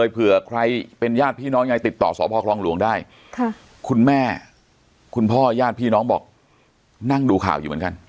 พร้อมหลวงได้ค่ะคุณแม่คุณพ่อญาติพี่น้องบอกนั่งดูข่าวอยู่เหมือนกัน